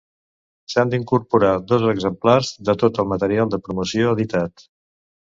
S'han d'incorporar dos exemplars de tot el material de promoció editat.